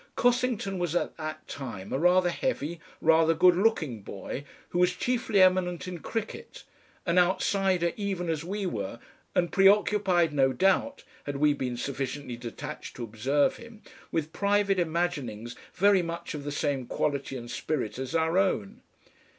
Cossington was at that time a rather heavy, rather good looking boy who was chiefly eminent in cricket, an outsider even as we were and preoccupied no doubt, had we been sufficiently detached to observe him, with private imaginings very much of the same quality and spirit as our own.